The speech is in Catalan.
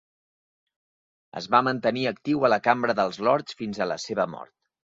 Es va mantenir actiu a la Cambra dels Lords fins a la seva mort.